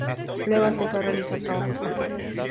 Luego empezó a realizar trabajos contables.